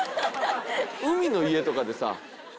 海の家とかでさ。